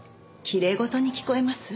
きれい事に聞こえます？